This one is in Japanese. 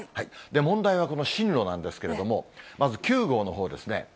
問題は、この進路なんですけれども、まず９号のほうですね。